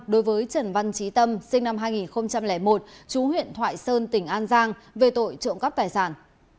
đối với trần văn trí tâm sinh năm hai nghìn một chú huyện thoại sơn tỉnh an giang về tội trộm cắp tài sản